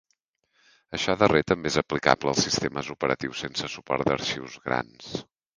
Això darrer també és aplicable als sistemes operatius sense suport d'arxius grans.